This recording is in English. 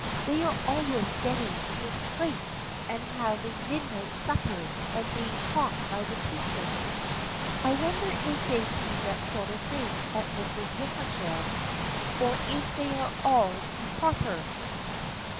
" They are always get ting into scrapes, and having midnight suppers and being caught by the teachers. I wonder if they do that sort of thing at the Misses Wickersham's or if they are all too proper."